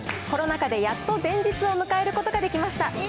コロナ禍でやっと前日を迎えることができました。